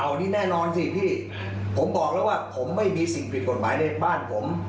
อันนี้แน่นอนสิพี่ผมบอกแล้วว่าผมไม่มีสิ่งผิดกฎหมายในบ้านผม